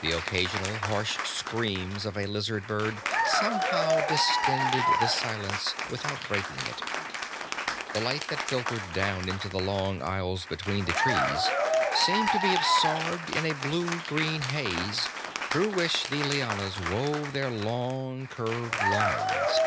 The occasional harsh screams of a lizard bird somehow distended the silence without breaking it. The light that filtered down into the long aisles between the trees seemed to be absorbed in a blue green haze through which the lianas wove their long curved lines.